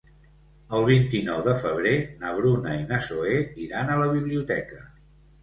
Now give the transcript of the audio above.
El vint-i-nou de febrer na Bruna i na Zoè iran a la biblioteca.